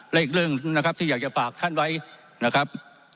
และอีกเรื่องนะครับที่อยากจะฝากท่านไว้นะครับ